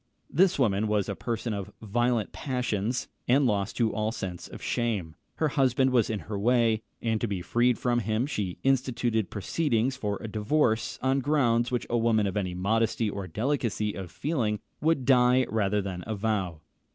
This woman was a person of violent passions, and lost to all sense of shame. Her husband was in her way, and to be freed from him she instituted proceedings for a divorce, on grounds which a woman of any modesty or delicacy of feeling would die rather than avow.